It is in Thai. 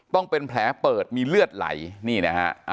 ต้องเป็นแผลเปิดมีเลือดไหลนี่นะฮะ